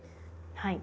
はい。